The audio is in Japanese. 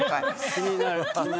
気になるね。